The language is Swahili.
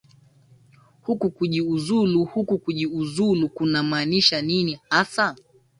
huku kujiuzulu huku kujiuzulu kunamaanisha nini hasa